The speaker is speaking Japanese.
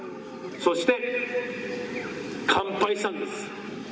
そして完敗したんです。